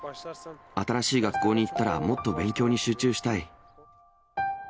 新しい学校に行ったら、もっと勉強に集中したい。